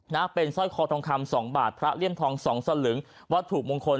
นะเป็นสร้อยคอทองคำสองบาทพระเลี่ยมทองสองสลึงวัตถุมงคล